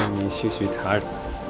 ini dia sayang